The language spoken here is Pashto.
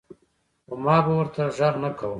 خو ما به ورته غږ نۀ کوۀ ـ